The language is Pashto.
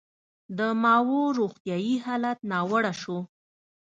د ماوو روغتیايي حالت ناوړه شو.